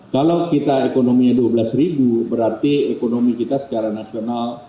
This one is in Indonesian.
kalau kita ekonominya dua belas ribu berarti ekonomi kita secara nasional